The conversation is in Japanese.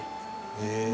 へえ。